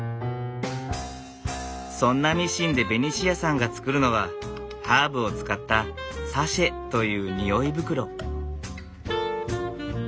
そんなミシンでベニシアさんが作るのはハーブを使ったサシェという匂い袋。